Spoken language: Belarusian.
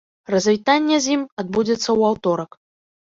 Развітанне з ім адбудзецца ў аўторак.